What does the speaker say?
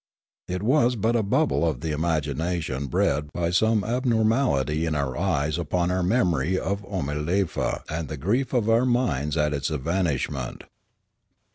It was but a bubble of the imagination bred by some abnormality in our eyes upon our memory of Oomalefa and the grief of our minds at its evanish ment.